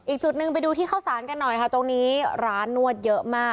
อีกจุดหนึ่งไปดูที่เข้าสารกันหน่อยค่ะตรงนี้ร้านนวดเยอะมาก